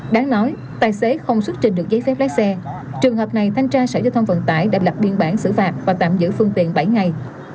đáng nói tài xế không xuất trình được giấy phép lái xe trường hợp này thanh tra sở giao thông vận tải đã lập biên bản xử phạt và tạm giữ phương tiện bảy ngày